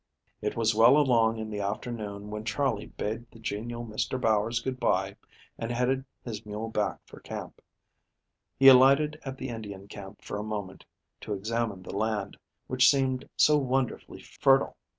It was well along in the afternoon when Charley bade the genial Mr. Bowers good by and headed his mule back for camp. He alighted at the Indian camp for a moment, to examine the land, which seemed so wonderfully fertile.